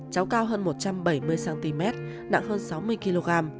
cháu cao hơn một trăm bảy mươi cm nặng hơn sáu mươi kg